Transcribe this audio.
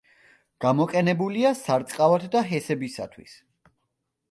გამოყენებულია სარწყავად და ჰესებისათვის.